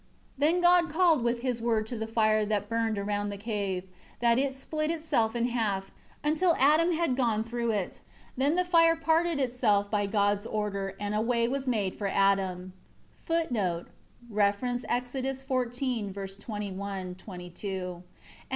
Then God called with His Word to the fire that burned around the cave, that it split itself in half, until Adam had gone through it. Then the fire parted itself by God's order, and a way was made for Adam*. 12 And God withdrew His Word from Adam.